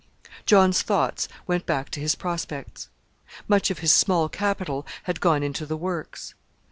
John's thoughts went back to his prospects. Much of his small capital had gone into the works.